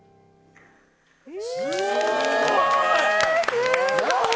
すごい！